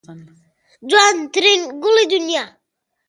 دەکرێت چی لەوە باشتر بێت؟